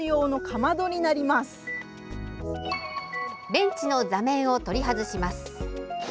ベンチの座面を取り外します。